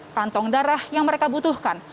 kantong darah yang mereka butuhkan